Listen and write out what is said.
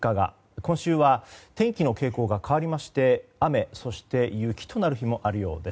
今週は天気の傾向が変わりまして雨、そして雪となる日もあるそうです。